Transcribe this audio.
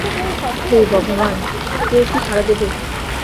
হেই ভগবান, কেউ কি সাড়া দেবে।